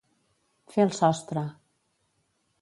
Fer el sostre.